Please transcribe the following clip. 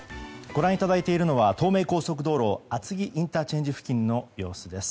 ご覧いただいているのは東名高速道路厚木ＩＣ付近の様子です。